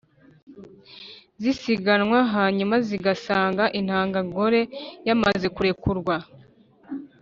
zisiganwa, hanyuma zigasanga intangangore yamaze kurekurwa